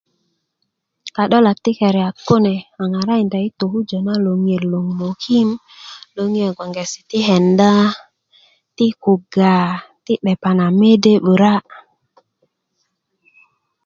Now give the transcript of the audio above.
ka'dolak ti keriyat kune a ŋarakinda i tokujö na loŋiyot loŋ mokim loŋiyo bge ti kenda ti kuga ti 'depa na mede 'bura'